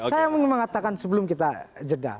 saya mau mengatakan sebelum kita jeda